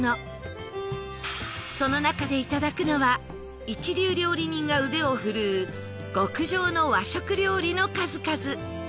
その中でいただくのは一流料理人が腕を振るう極上の和食料理の数々